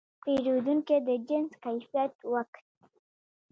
پیرودونکی د جنس کیفیت وکت.